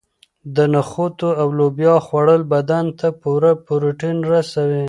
د نخودو او لوبیا خوړل بدن ته پوره پروټین رسوي.